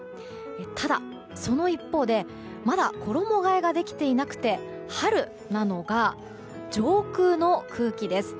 ただ、その一方でまだ衣替えができていなくて春なのが上空の空気です。